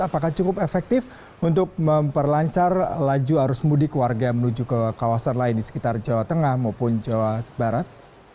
apakah cukup efektif untuk memperlancar laju arus mudik warga yang menuju ke kawasan lain di sekitar jawa tengah maupun jawa barat